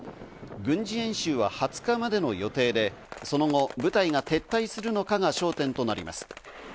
軍事演習は２０日までの予定で、その後、部隊が撤退するのかが焦点となります。